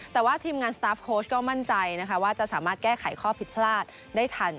แต่ว่าทีมงานสตาร์ฟโค้ชก็มั่นใจนะคะว่าจะสามารถแก้ไขข้อผิดพลาดได้ทัน